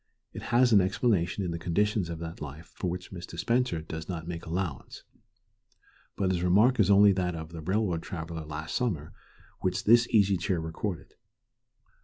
It has an explanation in the conditions of that life for which Mr. Spencer does not make allowance. But his remark is only that of the railroad traveller last summer which this Easy Chair recorded.